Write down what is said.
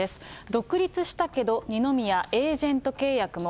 独立したけど、二宮、エージェント契約も。